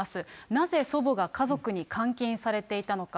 なぜ祖母が家族に監禁されていたのか。